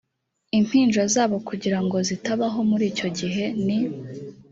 impinja zabo kugira ngo zitabaho m muri icyo gihe ni